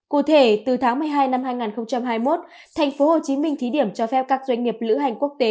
cụ thể từ tháng một mươi hai năm hai nghìn hai mươi một thành phố hồ chí minh thí điểm cho phép các doanh nghiệp lữ hành quốc tế